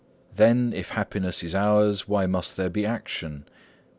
Then, if happiness is ours Why must there be Action?